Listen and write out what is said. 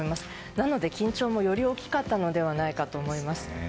なので、緊張もより大きかったのではないかと思います。